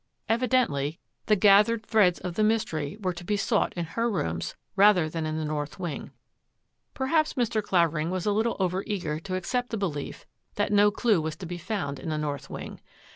Evidently the gathered 66 N MORE MYSTERY 67 threads of the mystery were to be sought in her rooms rather than in the north wing. Perhaps Mr. Clavering was a little over eager to accept the belief that no clue was to be found in the north wing.